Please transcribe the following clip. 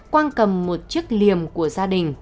quang cầm một chiếc liềm của gia đình